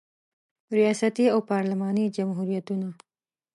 ریاستي او پارلماني جمهوریتونه